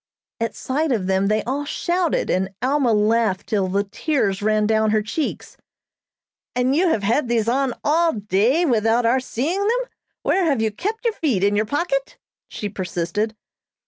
At sight of them they all shouted, and Alma laughed till the tears ran down her cheeks. "And you have had these on all day without our seeing them? Where have you kept your feet, in your pocket?" she persisted.